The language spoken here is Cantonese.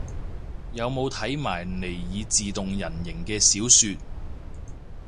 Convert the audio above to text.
有冇睇埋尼爾自動人形嘅小說